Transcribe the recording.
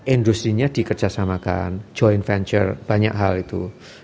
industri nya dikerjasamakan joint venture banyak hal itu